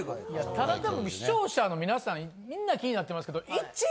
ただたぶん視聴者の皆さんみんな気になってますけど。